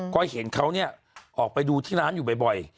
ก็เห็นเขาออกไปดูที่ร้านอยู่บ่อย